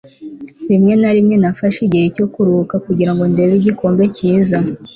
rimwe na rimwe nafashe igihe cyo kuruhuka kugirango ndebe igikombe cyiza